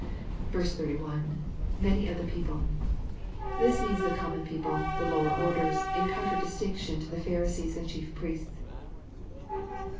Bl.—lMany of the people,] This means the common people — the lower orders, in contradistinction to the Pharisees and chief priests.